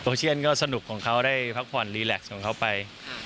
เชียนก็สนุกของเขาได้พักผ่อนรีแล็กซ์ของเขาไป